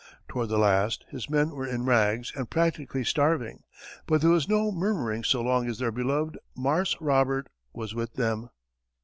Toward the last, his men were in rags and practically starving, but there was no murmuring so long as their beloved "Marse Robert" was with them.